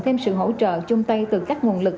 thêm sự hỗ trợ chung tay từ các nguồn lực